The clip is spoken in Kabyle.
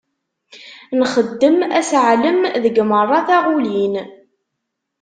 Nxeddem aseɛlem deg merra taɣulin.